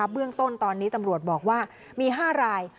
เบื้องต้นตอนนี้ตำรวจบอกว่ามี๕ราย